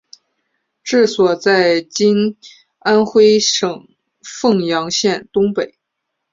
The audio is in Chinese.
治所在今安徽省凤阳县东北。